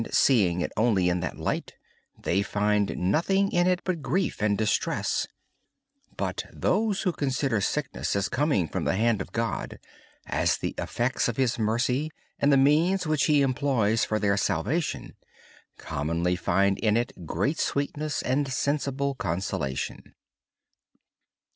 Seeing it only in that light, they find nothing in it but grief and distress. But those who consider sickness as coming from the hand of God, out of His mercy and as the means He uses for their salvation, commonly find sweetness and consolation in it.